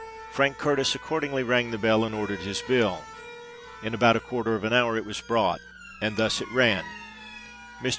Frank Curtis accordingly rang the bell, and ordered his bill. In about a quarter of an hour it was brought;—and thus it ran:— MR.